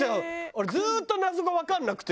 あれずっと謎がわかんなくてさ